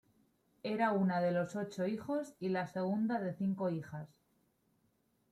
Era una de los ocho hijos y la segunda de cinco hijas.